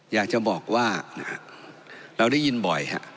อยากจะบอกว่าเราได้ยินบ่อยฮะ